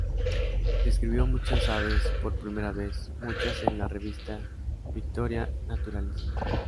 Describió muchas aves por primera vez, muchas en la revista "Victoria Naturalist".